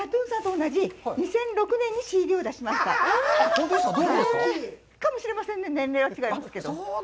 同期、かもしれませんね、年齢は違いますけど。